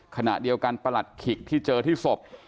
ขณะเดียวกันประหลัดขิกที่เจอที่ศพ